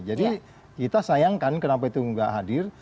jadi kita sayangkan kenapa itu nggak hadir